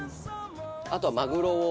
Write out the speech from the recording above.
あとはマグロを。